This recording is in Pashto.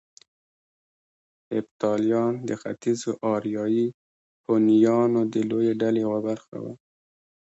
هېپتاليان د ختيځو اریایي هونيانو د لويې ډلې يوه برخه وو